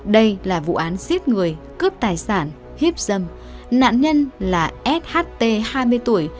đây là vụ án giết người cướp tài sản hiếp dâm nạn nhân là sht hai mươi tuổi